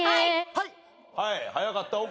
はいはい。